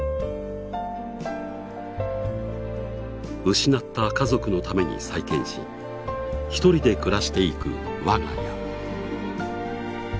失った家族のために再建し一人で暮らしていく我が家。